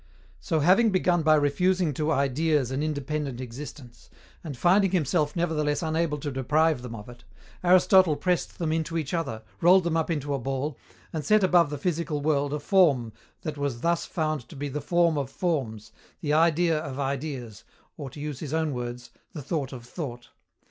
So, having begun by refusing to Ideas an independent existence, and finding himself nevertheless unable to deprive them of it, Aristotle pressed them into each other, rolled them up into a ball, and set above the physical world a Form that was thus found to be the Form of Forms, the Idea of Ideas, or, to use his own words, the Thought of Thought.